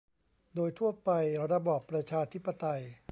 โดยทั่วไประบอบประชาธิปไตย